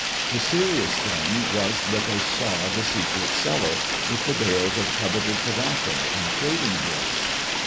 The serious thing was that they saw the secret cellar, with the bales of coveted tobacco and trading goods.